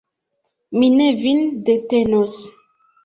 Mi ne vin detenos.